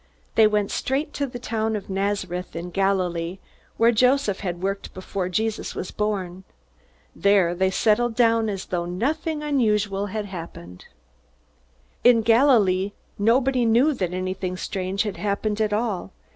They went straight to the town of Nazareth in Galilee, where Joseph had worked before Jesus was born. There they settled down as though nothing unusual had happened. In Galilee nobody knew that anything strange had happened at all.